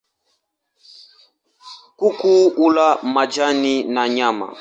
Kuku hula majani na nyama.